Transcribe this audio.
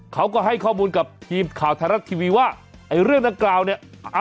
เขาก็ให้ข้อมูลกับทีมข่าวไทยรัฐทีวีว่าไอ้เรื่องดังกล่าวเนี่ย